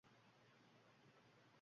Tezroq yetib kela olmaysizmi?